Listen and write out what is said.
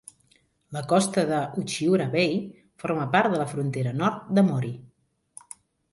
La costa de Uchiura Bay forma la frontera nord de Mori.